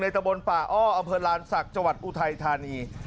ตะบนป่าอ้ออำเภอลานศักดิ์จังหวัดอุทัยธานี